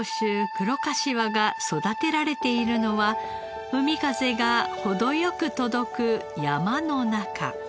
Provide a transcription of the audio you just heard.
黒かしわが育てられているのは海風が程良く届く山の中。